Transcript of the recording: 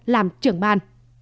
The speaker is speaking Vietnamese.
làm trưởng ban